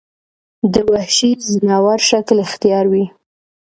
د وحشي ځناور شکل اختيار وي